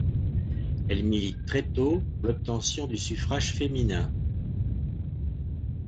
Elle milite très tôt pour l’obtention du suffrage féminin.